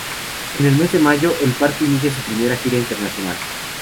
En el mes de mayo, El Parque inicia su primera gira internacional.